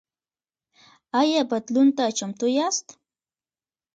ایا بدلون ته چمتو یاست؟